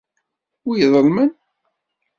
Wi iḍelmen?